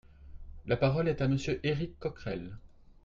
La parole est à Monsieur Éric Coquerel.